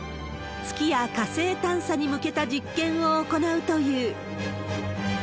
月や火星探査に向けた実験を行うという。